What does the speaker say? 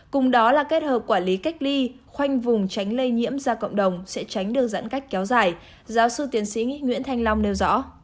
cùng đó là kết hợp quản lý cách ly khoanh vùng tránh lây nhiễm ra cộng đồng sẽ tránh được giãn cách kéo dài giáo sư tiến sĩ nguyễn thanh long nêu rõ